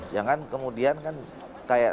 jangan kemudian kan kayak